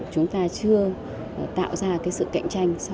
chúng ta chưa tạo ra cái sự cạnh tranh sau đó